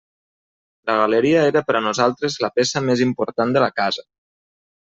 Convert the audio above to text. La galeria era per a nosaltres la peça més important de la casa.